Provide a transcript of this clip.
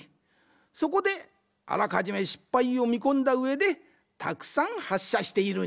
そこであらかじめ失敗をみこんだうえでたくさんはっしゃしているんじゃ。